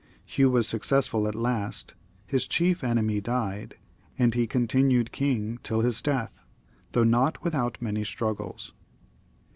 Hugh was successful at last; his chief enemy died, and he continued king tiU his death, though not without many struggles.